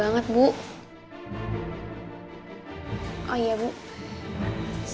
semuanya aman aman aja kan